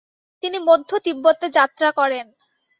তিনি মধ্য তিব্বতে যাত্রা করেন।